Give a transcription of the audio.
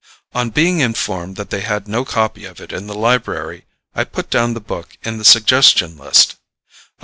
On being informed that they had no copy of it in the library, I put down the book in the suggestion list.